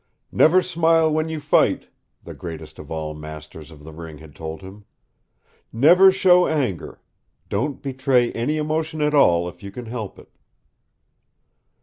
"Never smile when you fight," the greatest of all masters of the ring had told him. "Never show anger, Don't betray any emotion at all if you can help it."